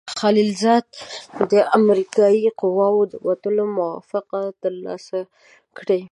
خلیلزاد د امریکایي قواوو د وتلو موافقه ترلاسه کړې.